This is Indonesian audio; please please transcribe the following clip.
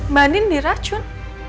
mbak andien diracun